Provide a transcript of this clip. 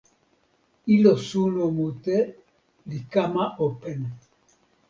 ilo suno mute li kama open.